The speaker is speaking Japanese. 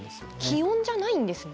気温じゃないんですね。